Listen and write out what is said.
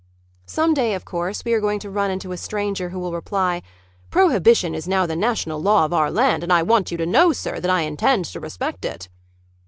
Some day, of course, we are going to run into a stranger who will reply, "Prohibition is now the national law of our land and I want you to know, sir, that I intend to respect it."